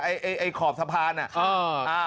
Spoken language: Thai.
ไอ้ขอบสะพานอ่ะ